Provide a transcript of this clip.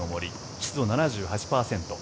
湿度７８％。